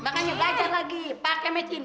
makanya belajar lagi pakai mecin